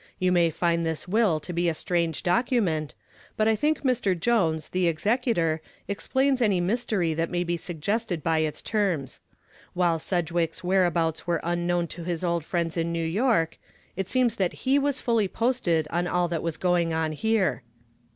You may find this will to be a strange document, but I think Mr. Jones, the executor, explains any mystery that may be suggested by its terms. While Sedgwick's whereabouts were unknown to his old friends in New York, it seems that he was fully posted on all that was going on here.